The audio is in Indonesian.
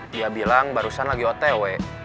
dia bilang barusan lagi otw